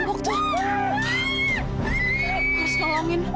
aduh kayaknya ada yang dirangguk tuh